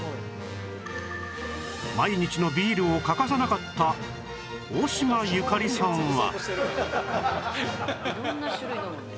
毎日のビールを欠かさなかった大島由香里さんは